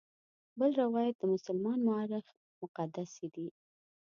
بل روایت د مسلمان مورخ مقدسي دی.